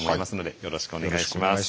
よろしくお願いします。